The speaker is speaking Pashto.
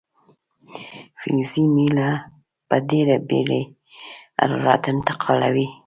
فلزي میله په ډیره بیړې حرارت انتقالوي.